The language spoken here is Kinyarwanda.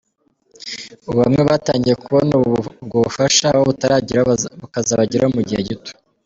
Ubu bamwe batangiye kubona ubwo bufasha, abo butarageraho bukazabageraho mugihe gito.